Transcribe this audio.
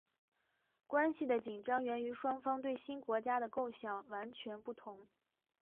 关系的紧张源于双方对新国家的构想完全不同。